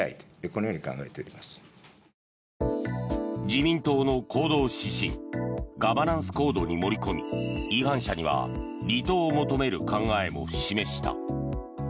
自民党の行動指針ガバナンスコードに盛り込み違反者には離党を求める考えも示した。